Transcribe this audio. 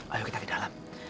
ayo kita ke dalam